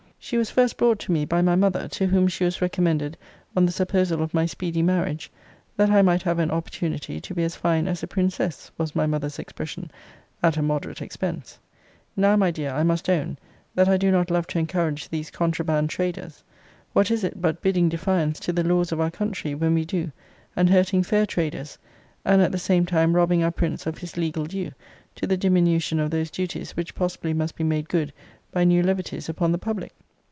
She was first brought to me by my mother, to whom she was recommended on the supposal of my speedy marriage, 'that I might have an opportunity to be as fine as a princess,' was my mother's expression, 'at a moderate expense.' Now, my dear, I must own, that I do not love to encourage these contraband traders. What is it, but bidding defiance to the laws of our country, when we do, and hurting fair traders; and at the same time robbing our prince of his legal due, to the diminution of those duties which possibly must be made good by new levities upon the public?